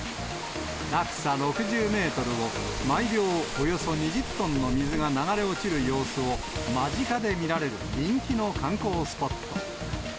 落差６０メートルを、毎秒およそ２０トンの水が流れ落ちる様子を、間近で見られる人気の観光スポット。